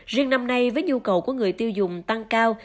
riêng năm nay với nhu cầu của người tiêu dùng tăng cao